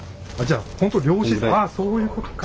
ああそういうことか。